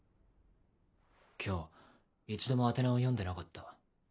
今日一度も宛名を読んでなかった。